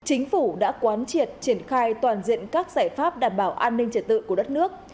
chính phủ đã quán triệt triển khai toàn diện các giải pháp đảm bảo an ninh trật tự của đất nước